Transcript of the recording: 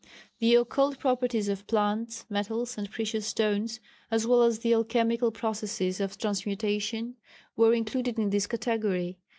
The occult properties of plants, metals, and precious stones, as well as the alchemical processes of transmutation, were included in this category.